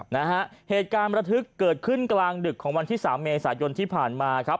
นะฮะเหตุการณ์ประทึกเกิดขึ้นกลางดึกของวันที่สามเมษายนที่ผ่านมาครับ